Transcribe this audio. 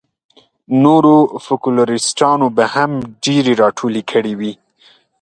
نورو فوکلوریسټانو به هم ډېرې راټولې کړې وي.